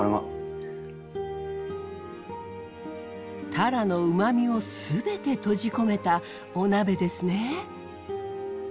タラのうまみを全て閉じ込めたお鍋ですね。